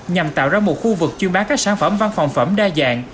nhằm tạo ra một khu vực chuyên bán các sản phẩm văn phòng phẩm đa dạng